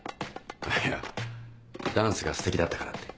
いやダンスが素敵だったからって。